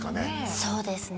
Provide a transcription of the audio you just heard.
そうですね